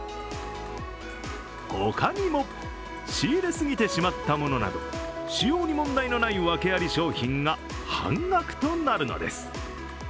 他にも仕入れ過ぎてしまったものなど、仕様に問題のないワケあり商品が半額となるのです。